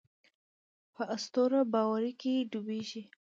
په اسطوره باورۍ کې ډوبېږي.